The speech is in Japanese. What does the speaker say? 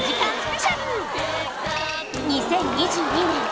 ２０２２年